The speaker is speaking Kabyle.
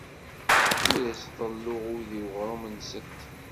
Ur as-ḍelluɣ udi i weɣrum-nsent.